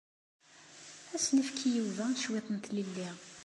Ad as-nefk i Yuba cwiṭ n tlelli.